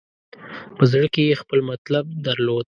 په زړه کې یې خپل مطلب درلود.